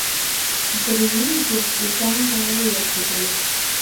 Дырҩагьых иган аареиирхеит уи.